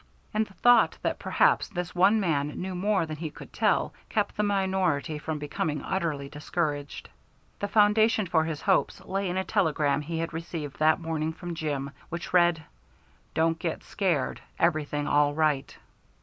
And the thought that perhaps this one man knew more than he could tell kept the minority from becoming utterly discouraged. The foundation for his hopes lay in a telegram he had received that morning from Jim, which read, "_Don't get scared, everything all right.